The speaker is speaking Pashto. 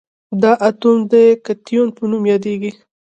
دا اتوم د کتیون په نوم یادیږي.